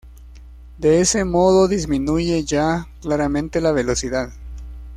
De ese modo disminuye ya claramente la velocidad.